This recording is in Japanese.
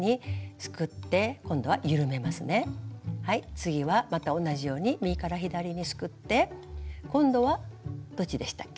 次はまた同じように右から左にすくって今度はどっちでしたっけ？